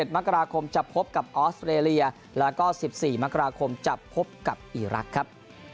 ๑มกราคมจะพบกับออสเตรเลียแล้วก็๑๔มกราคมจะพบกับอีรักษ์ครับ